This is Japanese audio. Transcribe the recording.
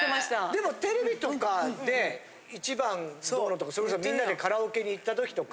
でもテレビとかで１番どうのとかそれこそみんなでカラオケに行った時とか。